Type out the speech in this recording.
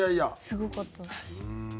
すごかった。